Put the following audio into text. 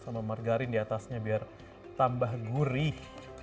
sama margarin di atasnya biar tambah gurih